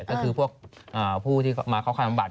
ก็คือพวกผู้ที่มาเข้าความบัติ